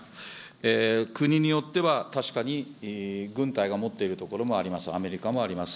国によっては確かに軍隊が持っているところもあります、アメリカもあります。